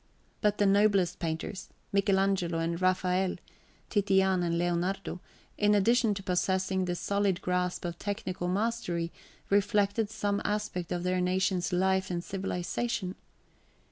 But the noblest painters, Michelangelo and Raphael, Titian and Leonardo, in addition to possessing the solid grasp of technical mastery, reflected some aspect of their nation's life and civilization.